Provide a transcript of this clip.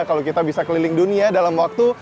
kalau kita bisa keliling dunia dalam waktu